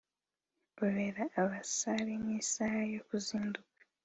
ubera abasare nk’isaha yo kuzinduka